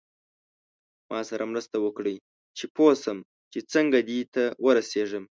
ما سره مرسته وکړئ چې پوه شم چې څنګه دې ته ورسیږم.